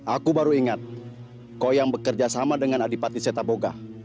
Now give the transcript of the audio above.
aku baru ingat kau yang bekerja sama dengan adipati setaboga